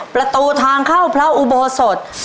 ประตูทางเข้าพระอุโบสถ